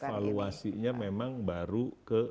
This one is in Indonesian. evaluasinya memang baru ke